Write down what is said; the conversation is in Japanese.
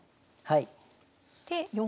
はい。